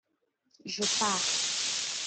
Je pars.